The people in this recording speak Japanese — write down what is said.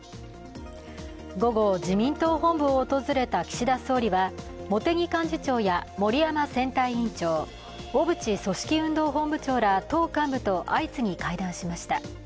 午後、自民党本部を訪れた岸田総理は茂木幹事長や森山選対委員長、小渕組織運動本部長ら党幹部と相次ぎ、会談しました。